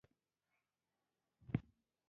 د شاته پاتې خلکو ته د تعلیم لاسرسی اسانه کړئ.